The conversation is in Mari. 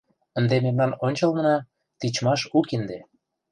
Ынде мемнан ончылнына — тичмаш у кинде...